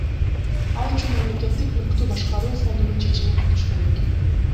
Ал үчүн Мамлекеттик мүлктү башкаруу фондунун чечимин күтүш керек.